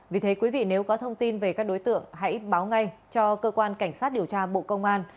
vì thế quý vị nếu có thông tin về các đối tượng hãy báo ngay cho cơ quan cảnh sát điều tra bộ công an